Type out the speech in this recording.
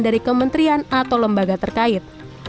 dari kementerian atau lembaga terkait